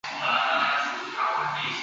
总部位于韩国首尔。